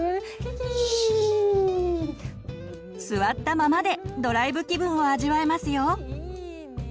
座ったままでドライブ気分を味わえますよ！